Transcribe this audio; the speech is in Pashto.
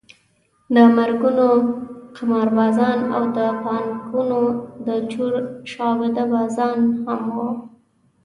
د مرګونو قماربازان او د بانکونو د چور شعبده بازان هم وو.